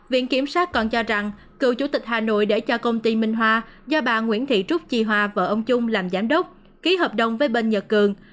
viện kiểm sát còn cho rằng cựu chủ tịch hà nội để cho công ty minh hoa do bà nguyễn thị trúc chi hòa vợ ông trung làm giám đốc ký hợp đồng với bên nhật cường